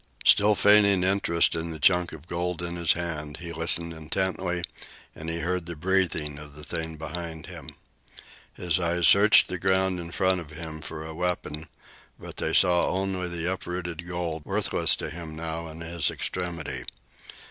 Still feigning interest in the chunk of gold in his hand, he listened intently and he heard the breathing of the thing behind him. His eyes searched the ground in front of him for a weapon, but they saw only the uprooted gold, worthless to him now in his extremity.